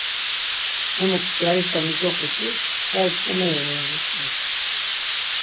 Emuk gyarişa micoxuşi, gyari ç̌ǩomeri vore vutzvi.